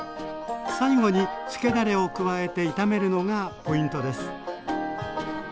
最後につけだれを加えて炒めるのがポイントです。